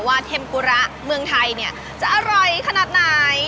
เทมปุระเมืองไทยเนี่ยจะอร่อยขนาดไหน